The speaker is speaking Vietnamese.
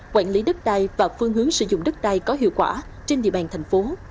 quản lý đất đai và phương hướng sử dụng đất đai có hiệu quả trên địa bàn tp hcm